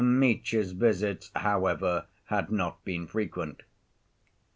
Mitya's visits, however, had not been frequent.)